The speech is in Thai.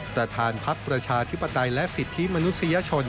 ประธานพักประชาธิปไตยและสิทธิมนุษยชน